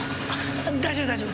大丈夫大丈夫。